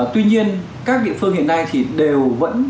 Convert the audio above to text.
tuy nhiên các địa phương hiện nay thì đều vẫn